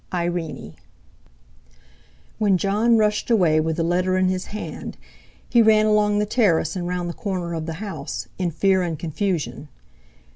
—IRENE When Jon rushed away with the letter in his hand, he ran along the terrace and round the corner of the house, in fear and confusion.